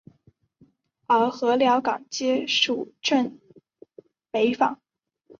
而禾寮港街属镇北坊。